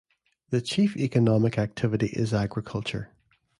The chief economic activity is agriculture.